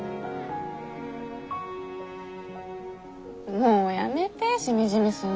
もうやめてしみじみすんの！